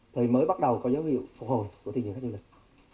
thời mới bắt đầu có dấu hiệu phục hồi của thiên dự các du lịch